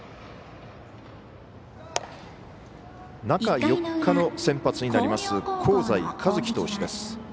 中４日の先発になります香西一希投手です。